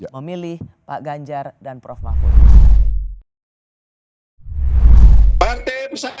memilih pak ganjar dan prof mahfud